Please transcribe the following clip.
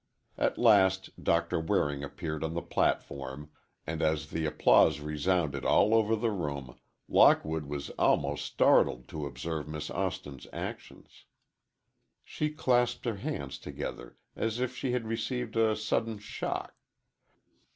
At last Doctor Waring appeared on the platform, and as the applause resounded all over the room, Lockwood was almost startled to observe Miss Austin's actions. She clasped her hands together as if she had received a sudden shock.